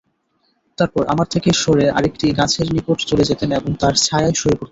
তারপর আমার থেকে সরে আরেকটি গাছের নিকট চলে যেতেন এবং তার ছায়ায় শুয়ে পড়তেন।